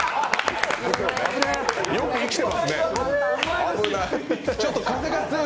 よく生きてますね、危ない。